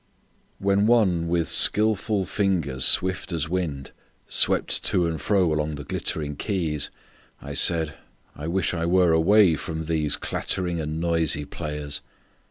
WHEN one with skillful fingers swift as wind Swept to and fro along the glittering keys, I said: I wish I were away from these Clattering and noisy players!